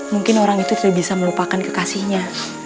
mungkin orang itu tidak bisa melupakan kekasihnya